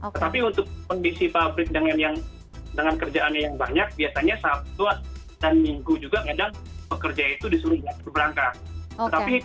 tetapi untuk kondisi pabrik dengan kerjaannya yang banyak biasanya sabtu dan minggu juga kadang pekerja itu disuruh berangkat